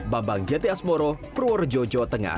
bambang jati asmoro purworejo jawa tengah